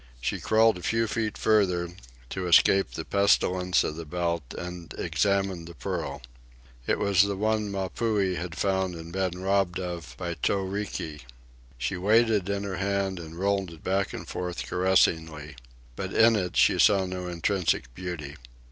She crawled a few feet farther, to escape the pestilence of the belt, and examined the pearl. It was the one Mapuhi had found and been robbed of by Toriki. She weighed it in her hand and rolled it back and forth caressingly. But in it she saw no intrinsic beauty.